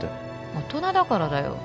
大人だからだよ